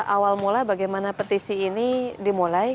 awal mula bagaimana petisi ini dimulai